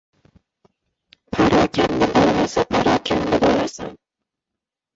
Pora kanda bo‘lmasa, parokanda bo‘lasan